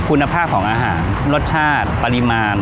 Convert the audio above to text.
คุณภาพของอาหารรสชาติปริมาณ